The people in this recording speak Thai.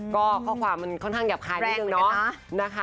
ก็ข้อความมันค่อนข้างหยาบคายนิดนึงเนาะนะคะ